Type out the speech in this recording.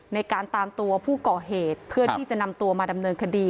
ในการตามตัวผู้ก่อเหตุเพื่อที่จะนำตัวมาดำเนินคดี